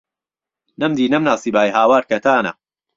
نهمدی نهمناسیبای، هاوار کهتانه